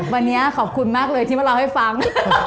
วันนี้ขอบคุณมากเลยที่มาเล่าให้ฟัง